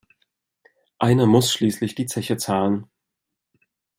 Einer muss schließlich die Zeche zahlen.